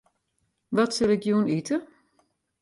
Wat sil ik jûn ite?